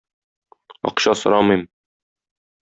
Акча сорамыйм.